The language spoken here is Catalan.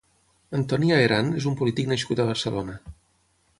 Antoni Aherán és un polític nascut a Barcelona.